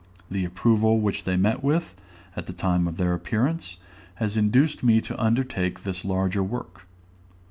The approval which they met with, at the time of their appearance, has induced me to undertake this larger work.